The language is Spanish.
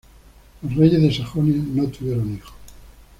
Los reyes de Sajonia no tuvieron hijos.